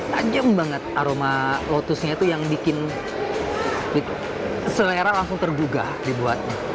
tajam banget aroma lotusnya itu yang bikin selera langsung tergugah dibuat